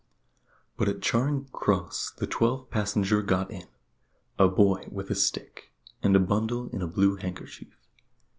But at Charing Cross the twelfth passenger got in a boy with a stick, and a bundle in a blue handkerchief.